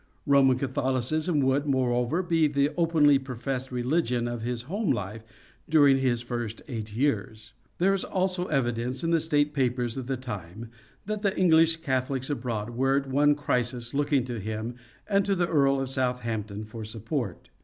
Roman Catholicism would, moreover, be the openly professed religion of his home life during his first eight years. There is also evidence in the State Papers of the time that the English Catholics abroad were at one crisis looking to him and to the Earl of Southampton for support.